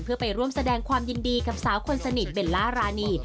เพื่อไปร่วมแสดงความยินดีกับสาวคนสนิทเบลล่ารานี